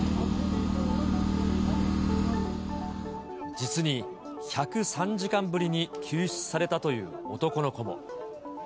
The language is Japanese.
実に１０３時間ぶりに救出されたという男の子も。